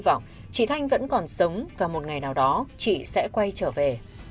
hy vọng chị thanh vẫn còn sống và một ngày nào đó chị sẽ quay trở về